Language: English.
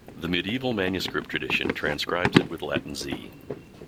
The medieval manuscript tradition transcribes it with Latin Z.